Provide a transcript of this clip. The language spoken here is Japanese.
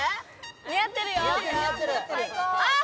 似合ってるよ、最高。